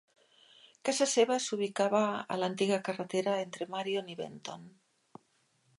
Casa seva s'ubicava a l'antiga carretera entre Marion i Benton.